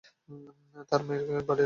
তার মায়ের বাড়ি রাজশাহীতে।